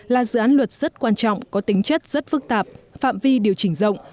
là dự án luật rất quan trọng có tính chất rất phức tạp phạm vi điều chỉnh rộng